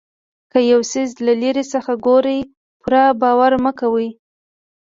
که یو څیز له لرې څخه ګورئ پوره باور مه کوئ.